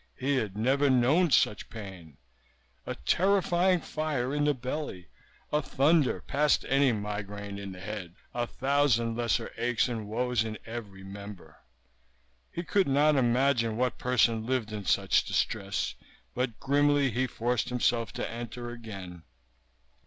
He had never known such pain. A terrifying fire in the belly, a thunder past any migraine in the head, a thousand lesser aches and woes in every member. He could not imagine what person lived in such distress; but grimly he forced himself to enter again.